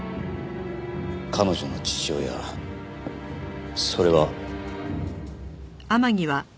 彼女の父親それは。